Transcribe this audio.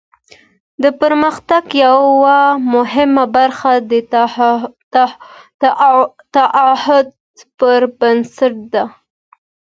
د پرمختګ یوه مهمه برخه د تعهد پر بنسټ ده.